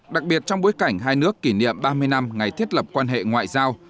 đặc biệt trong bối cảnh hai nước kỷ niệm ba mươi năm ngày thiết lập quan hệ ngoại giao